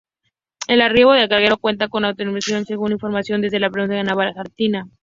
El arribo del carguero cuenta con autorización según informaron desde la Prefectura Naval Argentina.